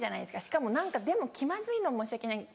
しかも何かでも気まずいのも申し訳ない。